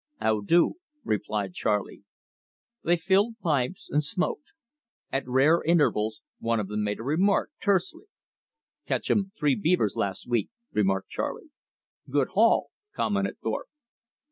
"How do," replied Charley. They filled pipes and smoked. At rare intervals one of them made a remark, tersely, "Catch um three beaver las' week," remarked Charley. "Good haul," commented Thorpe.